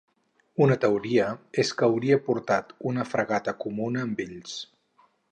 Una teoria és que haurien portat una Fregata comuna amb ells.